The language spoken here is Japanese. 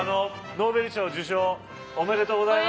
ノーベル賞受賞おめでとうございます。